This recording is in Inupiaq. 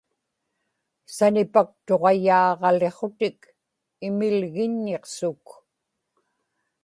sanipaktuġayaaġaliqhutik imilgiññiqsuk